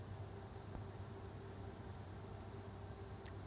jadi itu adalah hal yang cukup kuat